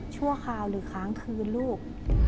ชั่วคราวหรือค้างคืนลูก